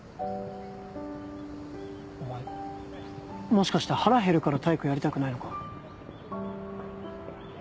お前もしかして腹へるから体育やりたくないのか。